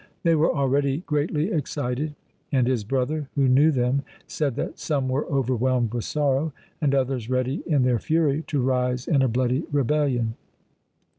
They were already greatly excited, and his brother, who knew them, said that some were overwhelmed with sorrow, and others ready, in their fury, to rise in a bloody rebellion.